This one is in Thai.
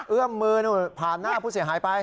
เอื้อมมือนู่นผ่านหน้าผู้เสียหายไป